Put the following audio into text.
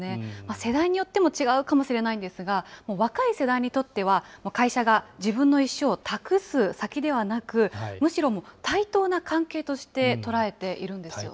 世代によっても違うかもしれないんですが、若い世代にとっては、会社が自分の一生を託す先ではなく、むしろもう対等な関係として対等ね。